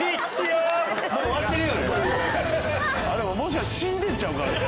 あれもしかして死んでるんちゃうかな。